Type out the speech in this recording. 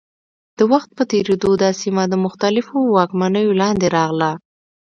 د وخت په تېرېدو دا سیمه د مختلفو واکمنیو لاندې راغله.